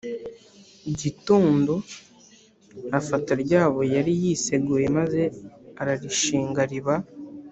gitondo afata rya buye yari yiseguye maze ararishinga riba